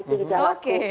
itu juga laku